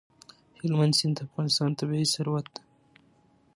هلمند سیند د افغانستان طبعي ثروت دی.